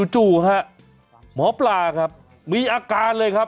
จู่ฮะหมอปลาครับมีอาการเลยครับ